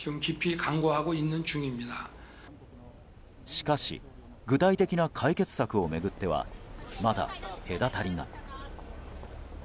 しかし具体的な解決策を巡っては、まだ隔たりが。